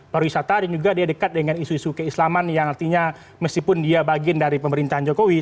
pariwisata dan juga dia dekat dengan isu isu keislaman yang artinya meskipun dia bagian dari pemerintahan jokowi